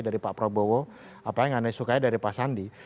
dari pak prabowo apa yang anda sukai dari pak sandi